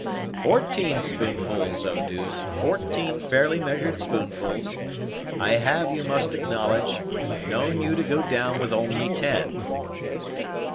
"Fourteen spoonfuls, Eau douce; fourteen fairly measured spoonfuls. I have, you must acknowledge, known you to go down with only ten."